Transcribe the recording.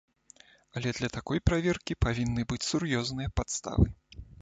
Але для такой праверкі павінны быць сур'ёзныя падставы.